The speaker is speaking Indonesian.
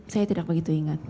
saya tidak begitu ingat